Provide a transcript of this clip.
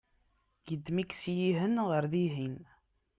yeddem-ik syihen ɣer dihin